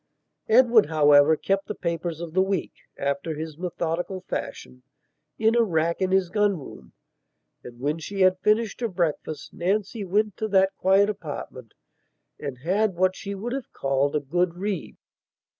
Edward, however, kept the papers of the week, after his methodical fashion, in a rack in his gun room, and when she had finished her breakfast Nancy went to that quiet apartment and had what she would have called a good read.